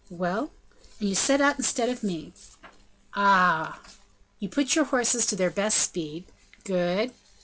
"Well?" "And you set out instead of me." "Ah!" "You put your horses to their best speed." "Good!"